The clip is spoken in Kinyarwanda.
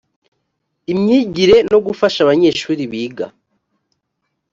imyigire no gufasha abanyeshuri biga